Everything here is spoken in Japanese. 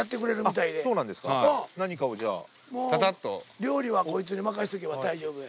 料理はこいつに任せとけば大丈夫や。